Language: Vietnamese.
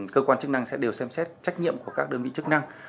cơ quan chức năng sẽ đều xem xét trách nhiệm của các đơn vị chức năng